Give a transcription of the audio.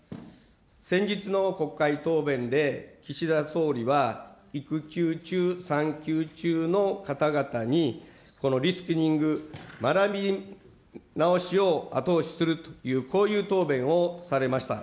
先日の国会答弁で、岸田総理は、育休中、産休中の方々に、リスキリング、学び直しを後押しするという、こういう答弁をされました。